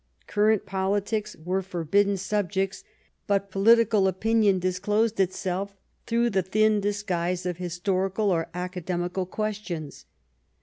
Current politics were forbidden 14 THE STORY OF GLADSTONE'S LIFE subjects, but political opinion disclosed itself through the thin disguise of historical or academi cal questions.